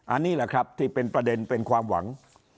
อันนี้แหละครับที่เป็นประเด็นเป็นความหวัง